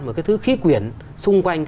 một cái thứ khí quyển xung quanh